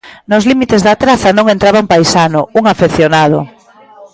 Nos límites da traza non entraba un paisano, un afeccionado.